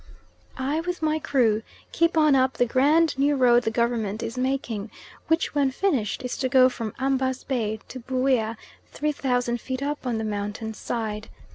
I, with my crew, keep on up the grand new road the Government is making, which when finished is to go from Ambas Bay to Buea, 3,000 feet up on the mountain's side.